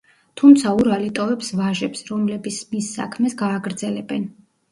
თუმცა ურალი ტოვებს ვაჟებს, რომლების მის საქმეს გააგრძელებენ.